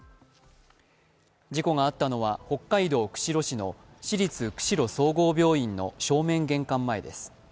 事故があったのは北海道釧路市の市立釧路総合病院の正面玄関前です。